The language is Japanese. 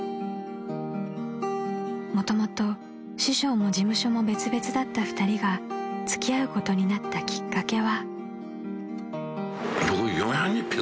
［もともと師匠も事務所も別々だった２人が付き合うことになったきっかけは］